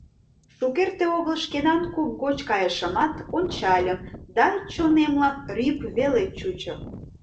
Шукерте огыл шкенан куп гоч кайышымат, ончальым, да чонемлан рӱп веле чучо.